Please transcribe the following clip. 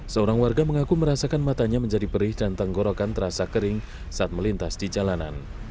seorang warga mengaku merasakan matanya menjadi perih dan tenggorokan terasa kering saat melintas di jalanan